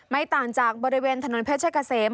ไม่ต่างจากบริเวณถนนเพชรเกษม